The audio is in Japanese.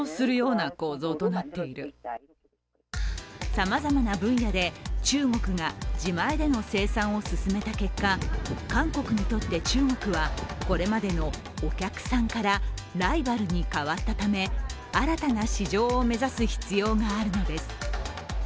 さまざまな分野で中国が自前での生産を進めた結果、韓国にとって中国はこれまでのお客さんからライバルに変わったため、新たな市場を目指す必要があるのです。